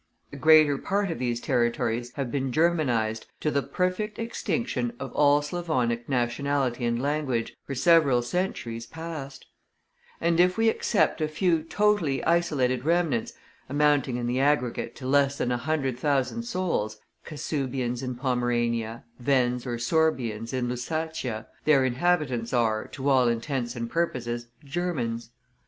The greater part of these territories have been Germanized, to the perfect extinction of all Slavonic nationality and language, for several centuries past; and if we except a few totally isolated remnants, amounting in the aggregate to less than a hundred thousand souls (Kassubians in Pomerania, Wends or Sorbians in Lusatia), their inhabitants are, to all intents and purposes, Germans.